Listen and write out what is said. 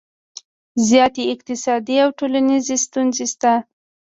زیاتې اقتصادي او ټولنیزې ستونزې شته